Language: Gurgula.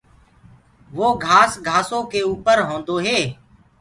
وو گھآس گھآسو ڪي اُپر هوندو هي۔